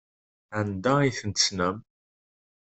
Anda ay ten-tessnem?